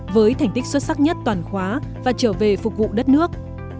với thành tích xuất sắc nhất toàn khóa và trở về phục vụ đất nước